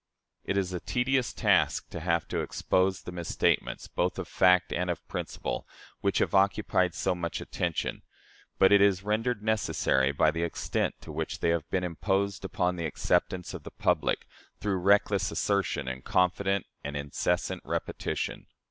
" It is a tedious task to have to expose the misstatements, both of fact and of principle, which have occupied so much attention, but it is rendered necessary by the extent to which they have been imposed upon the acceptance of the public, through reckless assertion and confident and incessant repetition.